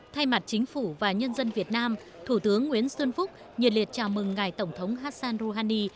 thay mặt chính phủ và nhân dân việt nam thủ tướng nguyễn xuân phúc nhiệt liệt chào mừng ngài tổng thống hassan rouhani